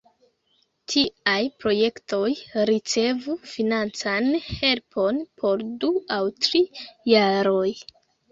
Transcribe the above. Tiaj projektoj ricevu financan helpon por du aŭ tri jaroj.